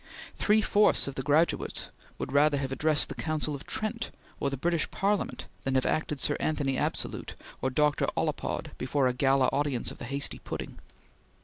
Three fourths of the graduates would rather have addressed the Council of Trent or the British Parliament than have acted Sir Anthony Absolute or Dr. Ollapod before a gala audience of the Hasty Pudding.